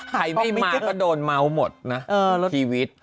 ใครไม่มาก็โดนเมาส์หมดนะชีวิต